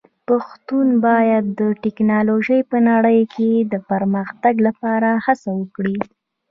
پښتو باید د ټکنالوژۍ په نړۍ کې د پرمختګ لپاره هڅه وکړي.